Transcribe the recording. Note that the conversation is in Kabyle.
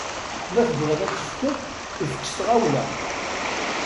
Ma tebɣiḍ ad tefkeḍ, efk s tɣawla.